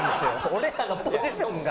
俺らのポジションが。